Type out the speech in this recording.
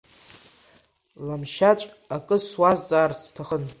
Ламшьаҵә, акы суазҵаарц сҭахын.